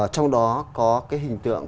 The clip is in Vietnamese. trong đó có cái hình tượng